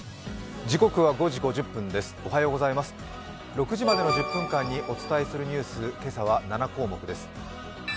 ６時までの１０分間にお伝えするニュース、今朝は７項目です。